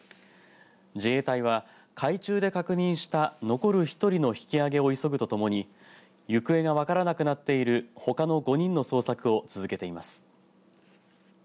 自衛隊は海中で確認した残る１人の引き揚げを急ぐとともに行方が分からなくなっているほかの５人の捜索を続けています。